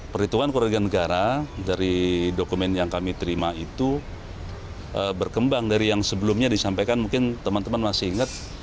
perhitungan keluarga negara dari dokumen yang kami terima itu berkembang dari yang sebelumnya disampaikan mungkin teman teman masih ingat